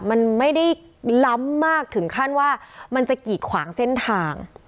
มันไม่ได้ล้ำมากถึงขั้นว่ามันจะกีดขวางเส้นทาง